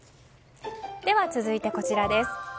では、続いてこちら。